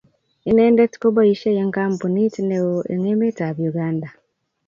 Inendet koboishei eng kampunit neo eng emet ab Uganda